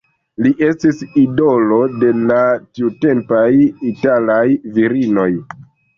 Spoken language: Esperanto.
Li estis idolo de la tiutempaj italaj virinoj.